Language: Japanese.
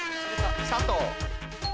佐藤。